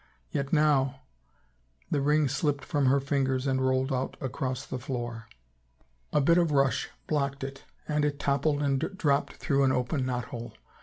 Yet now. ... The ring slipped from her fingers and rolled out across the floor. A bit of rush blocked it and it toppled and dropped through an open knot hole.